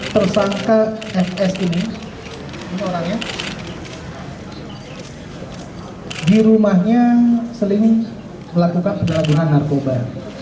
tersangka fs ini di rumahnya seling melakukan pergelaguan narkoba